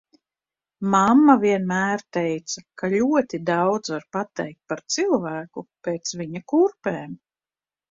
Mamma vienmēr teica, ka ļoti daudz var pateikt par cilvēku pēc viņa kurpēm.